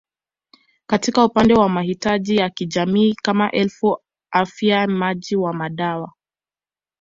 Katika upande wa mahitaji ya kijamii kama elimu Afya Maji na madawa